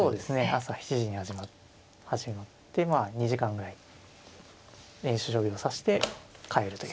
朝７時に始まってまあ２時間ぐらい練習将棋を指して帰るという。